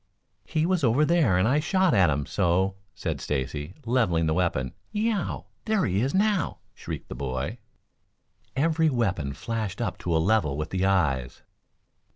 "He was over there and I shot at him, so," said Stacy, leveling the weapon. "Ye ow! There he is, now!" shrieked the boy. Every weapon flashed up to a level with the eyes.